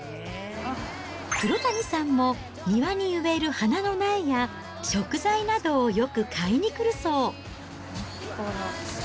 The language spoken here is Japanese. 黒谷さんも、庭に植える花の苗や食材などをよく買いに来るそう。